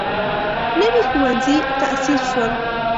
نوي ښوونځي تاسیس شول.